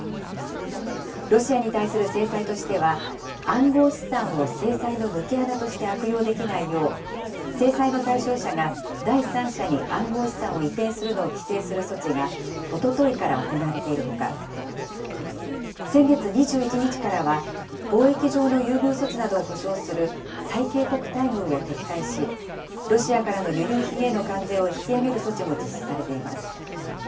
ロシアに対する制裁としては、暗号資産を制裁の抜け穴として悪用できないよう、制裁の対象者が第三者に暗号資産を移転するのを規制する措置が、おとといから行われているほか、先月２１日からは、貿易上の優遇措置などを保障する最恵国待遇を撤回し、ロシアからの輸入品への関税を引き上げる措置も実施されています。